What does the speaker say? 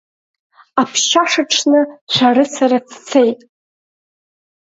Аԥшьашаҽны шәарыцара дцеит.